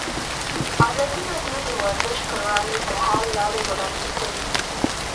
ازادي راډیو د ورزش پر وړاندې د حل لارې وړاندې کړي.